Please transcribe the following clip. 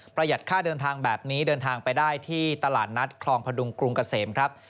หัดค่าเดินทางแบบนี้เดินทางไปได้ที่ตลาดนัดคลองพดุงกรุงเกษมครับ